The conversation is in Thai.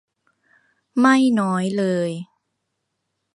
ไม่น้อยเลย